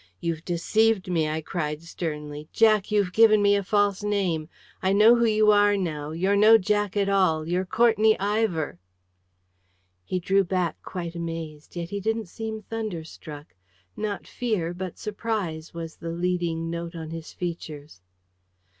"You've deceived me!" I cried sternly. "Jack, you've given me a false name. I know who you are, now. You're no Jack at all. You're Courtenay Ivor!" He drew back, quite amazed. Yet he didn't seem thunderstruck. Not fear but surprise was the leading note on his features.